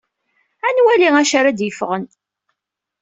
Ad nwali acu ara d-yeffɣen.